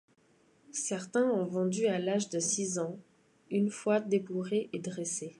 Certains ont vendus à l'âge de six ans, une fois débourrés et dressés.